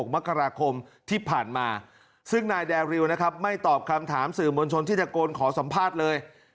มกราคมที่ผ่านมาซึ่งนายแดริวนะครับไม่ตอบคำถามสื่อมวลชนที่ตะโกนขอสัมภาษณ์เลย